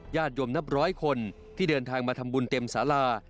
ยมนับร้อยคนที่เดินทางมาทำบุญเต็มสารา